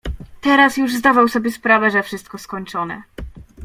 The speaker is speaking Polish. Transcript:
"Teraz już zdawał sobie sprawę, że wszystko skończone."